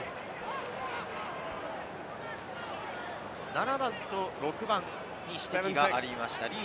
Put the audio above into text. ７番と６番に指摘がありました。